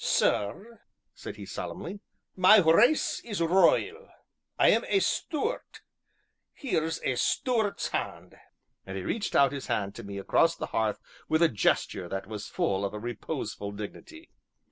"Sir," said he solemnly, "my race is royal I am a Stuart here's a Stuart's hand," and he reached out his hand to me across the hearth with a gesture that was full of a reposeful dignity.